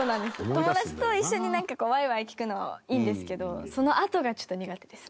友達と一緒にワイワイ聞くのはいいんですけどそのあとがちょっと苦手です。